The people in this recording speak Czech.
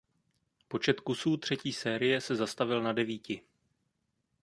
Počet kusů třetí série se zastavil na devíti.